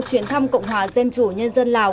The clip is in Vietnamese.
chuyển thăm cộng hòa dân chủ nhân dân lào